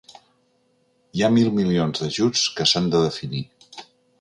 Hi ha mil milions d’ajuts que s’han de definir.